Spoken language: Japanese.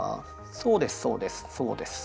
そうですそうですそうです。